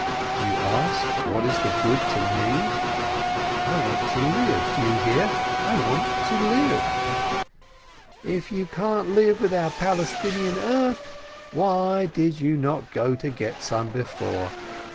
"You ask, what is the good to me? I want to live, do you hear? I want to live!" "If you can't live without Palestinian earth, why did you not get some before?